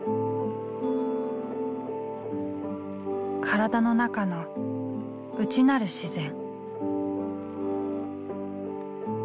体の中の「内なる自然」。